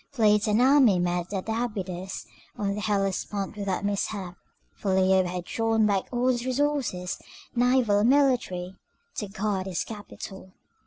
Fleet and army met at Abydos on the Hellespont without mishap, for Leo had drawn back all his resources, naval and military, to guard his capital.